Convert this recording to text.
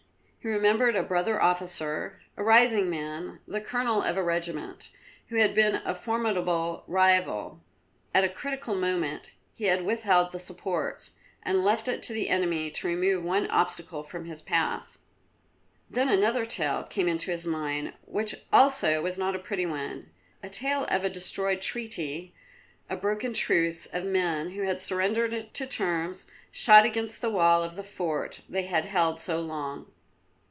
He remembered a brother officer, a rising man, the colonel of a regiment, who had been a formidable rival; at a critical moment he had withheld the supports, and left it to the enemy to remove one obstacle from his path. Then another tale came into his mind which also was not a pretty one, a tale of a destroyed treaty, and a broken truce; of men, who had surrendered to terms, shot against the wall of the fort they had held so long.